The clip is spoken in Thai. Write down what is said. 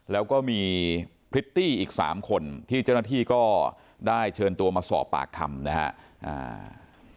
แล้วก็มีพริตตี้อีกสามคนที่เจ้าหน้าที่ก็ได้เชิญตัวมาสอบปากคำนะครับ